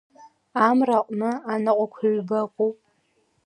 Амра аҟны анаҟәақәа ҩба ыҟоуп.